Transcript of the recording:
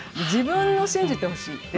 自分を信じてほしい。